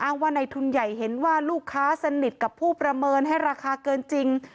ว่าในทุนใหญ่เห็นว่าลูกค้าสนิทกับผู้ประเมินให้ราคาเกินจริง